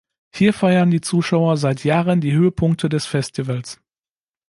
Hier feiern die Zuschauer seit Jahren die Höhepunkte des Festivals.